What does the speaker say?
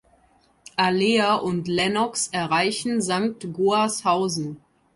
Alea und Lennox erreichen Sankt Goarshausen.